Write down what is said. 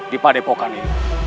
di padepokan ini